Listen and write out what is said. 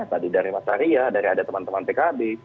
tadi dari masaria dari ada teman teman pkb